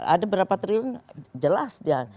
ada berapa triliun jelas dia